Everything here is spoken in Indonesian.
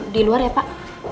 di luar ya pak